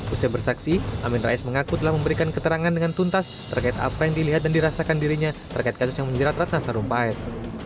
usai bersaksi amin rais mengaku telah memberikan keterangan dengan tuntas terkait apa yang dilihat dan dirasakan dirinya terkait kasus yang menjerat ratna sarumpait